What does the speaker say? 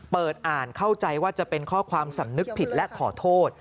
เปิดอ่านเข้าใจว่าจะเป็นข้อความสำนึกผิดและขอโทษ